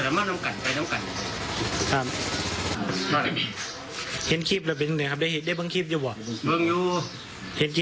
โทษทุกคนที่ฝากเขาด้านห่าง